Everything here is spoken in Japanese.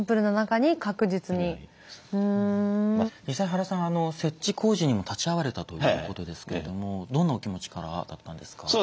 実際原さん設置工事にも立ち会われたということですけれどもどんなお気持ちからだったんですか？